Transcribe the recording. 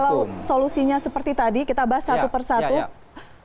mohon maaf kalau solusinya seperti tadi kita bahas satu per satu